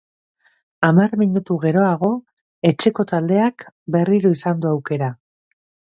Hamar minutu geroago, etxeko taldeak berriro izan du aukera.